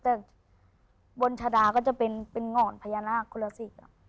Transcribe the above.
แต่บนชะดาก็จะเป็นหง่อนพญานาคคนละสี